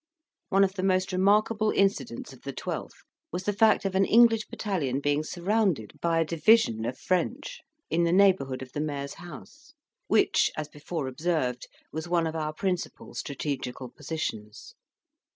One of the most remarkable incidents of the 12th was the fact of an English battalion being surrounded by a division of French in the neighbourhood of the mayor's house which, as before observed, was one of our principal strategical positions.